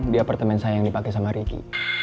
di apartemen saya yang dipake sama riky